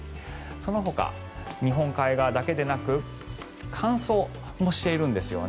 そのほか、日本海側だけでなく乾燥もしているんですよね。